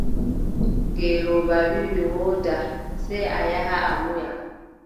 Ngeelooba wii : mi wooda, sey a yaha a munya.